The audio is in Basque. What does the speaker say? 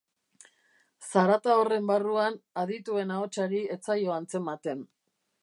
Zarata horren barruan, adituen ahotsari ez zaio antzematen.